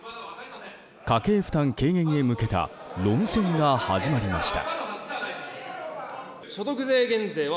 家計負担軽減へ向けた論戦が始まりました。